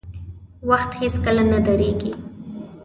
• وخت هیڅکله نه درېږي.